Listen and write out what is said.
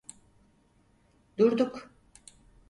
Durduk.